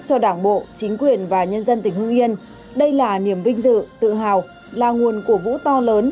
cho đảng bộ chính quyền và nhân dân tỉnh hương yên đây là niềm vinh dự tự hào là nguồn cổ vũ to lớn